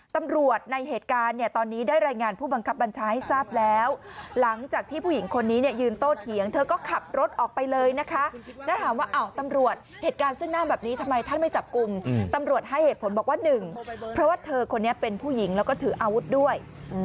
ตำรวจเหตุการณ์ซึ่งหน้าแบบนี้ทำไมท่านไม่จับกลุ่มตำรวจให้เหตุผลบอกว่า๑เพราะว่าเธอคนนี้เป็นผู้หญิงแล้วก็ถืออาวุธด้วย